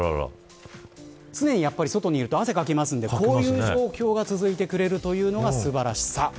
常に外にいると汗をかきますのでこういう状況が続いてくれるというのが素晴らしさ。